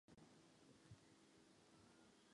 Množství populace včetně šlechty mělo vši.